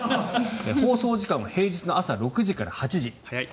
放送時間は平日の朝６時から８時早い。